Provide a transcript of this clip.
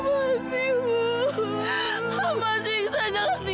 enggak boleh mati